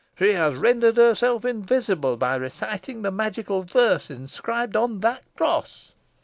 "She has rendered herself invisible, by reciting the magical verses inscribed on that cross."